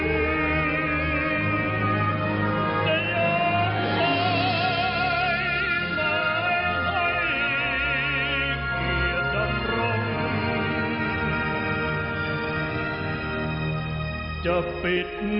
ไม่ได้ชีวภาษาสิ้นไป